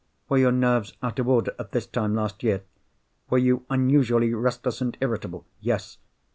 "Were your nerves out of order, at this time last year? Were you unusually restless and irritable?" "Yes."